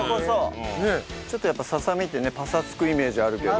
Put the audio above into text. ちょっとやっぱささみってねパサつくイメージあるけど。